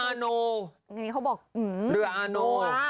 อันนงี้เค้าบอกหื้อหมาเรืออาโน